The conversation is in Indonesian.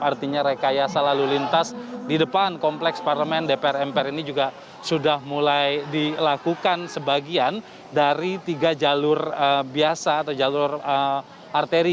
artinya rekayasa lalu lintas di depan kompleks parlemen dpr mpr ini juga sudah mulai dilakukan sebagian dari tiga jalur biasa atau jalur arteri